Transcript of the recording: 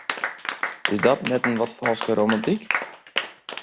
Is dat net wat in falske romantyk?